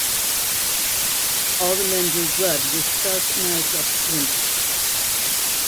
All the men drew blood with sharp knives of flint.